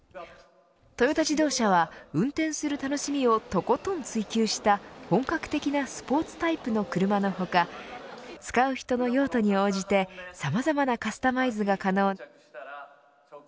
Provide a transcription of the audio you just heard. トヨタ自動車は運転する楽しみをとことん追及した本格的なスポーツタイプの車の他使う人の用途に応じてさまざまなカスタマイズが可能。